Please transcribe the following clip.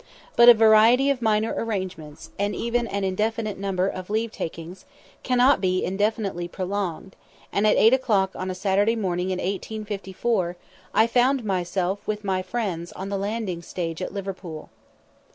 But a variety of minor arrangements, and even an indefinite number of leave takings, cannot be indefinitely prolonged; and at eight o'clock on a Saturday morning in 1854, I found myself with my friends on the landing stage at Liverpool.